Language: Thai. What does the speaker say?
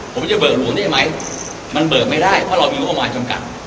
ผมจะเบิกหลวงได้ไหมมันเบิกไม่ได้เพราะเรามีงบประมาณจำกัด